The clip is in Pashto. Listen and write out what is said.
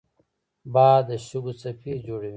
باد د شګو څپې جوړوي